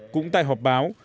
cũng tại họp báo